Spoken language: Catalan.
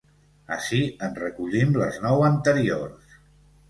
Ací en recollim les nou anteriors.